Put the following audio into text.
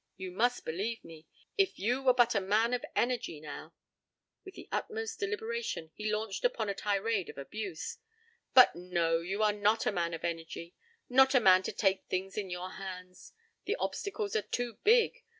You must believe me. If you were but a man of energy, now—" With the utmost deliberation he launched upon a tirade of abuse. "But, no, you are not a man of energy, not a man to take things in your hands. The obstacles are too big.